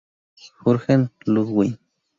Jurgen Ludwig.